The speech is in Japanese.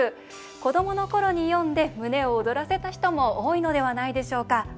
子どものころに読んで胸を躍らせた人も多いのではないでしょうか。